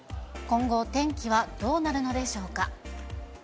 今後、天気はどうなるのでしょうか。